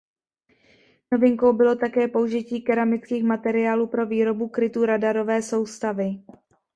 Novinkou bylo také použití keramických materiálů pro výrobu krytu radarové soustavy.